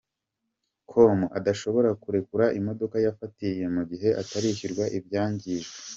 com ko adashobora kurekura imodoka yafatiriye mu gihe atarishyurwa ibyangijwe.